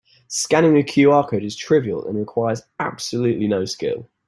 Scanning a QR code is trivial and requires absolutely no skill.